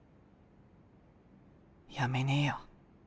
やめねえよ。